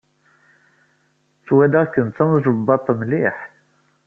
Ttwaliɣ-kem d tamejbadt mliḥ.